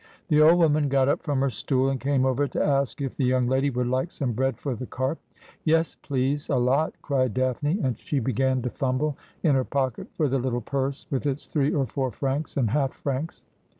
The old woman got up from her stool, and came over to ask if the young lady would like some bread for the carp. ' Yl's, please — a lot,' cried Daphne, and she began to fumble in her pocket for the little purse with its three or four francs and half francs.